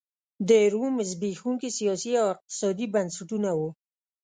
د روم زبېښونکي سیاسي او اقتصادي بنسټونه وو